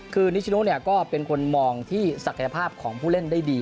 คือนิชโนก็เป็นคนมองที่ศักยภาพของผู้เล่นได้ดี